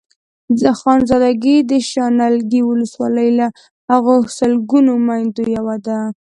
خانزادګۍ د شانګلې ولسوالۍ له هغو سلګونو ميندو يوه ده.